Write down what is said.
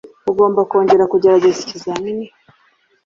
Ugomba kongera kugerageza ikizamini.